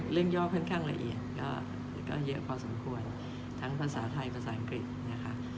ย่อค่อนข้างละเอียดก็เยอะพอสมควรทั้งภาษาไทยภาษาอังกฤษนะคะ